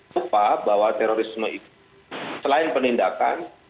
lupa bahwa terorisme itu selain penindakan